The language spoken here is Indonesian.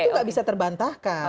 itu nggak bisa terbantahkan